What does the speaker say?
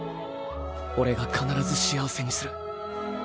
俺が必ず幸せにする。